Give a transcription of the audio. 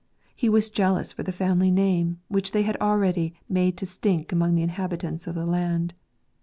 He was jealous for the family name, which they had already "made to stink among the inhabitants of the land."